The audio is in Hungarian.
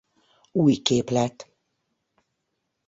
Új Képlet.